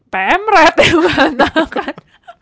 pm red yang bantah kan